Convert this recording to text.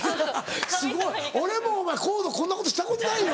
すごい俺もコードこんなことしたことないよ。